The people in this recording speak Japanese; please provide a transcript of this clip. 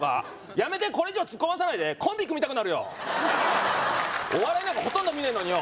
やめてこれ以上ツッコまさないでコンビ組みたくなるよお笑いなんかほとんど見ねえのによ